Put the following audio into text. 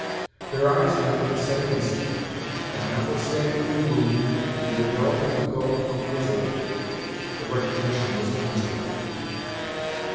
Their eyes met at the same instant, and, not withstanding the gloom, and the enveloping cloak of Elizabeth, the recognition was mutual.